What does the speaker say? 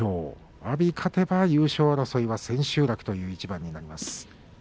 阿炎が勝てば優勝争いは千秋楽という一番になります。